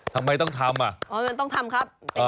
ทำไมต้องทำอ่ะ